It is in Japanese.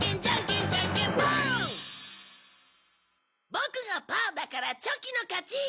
ボクがパーだからチョキの勝ち！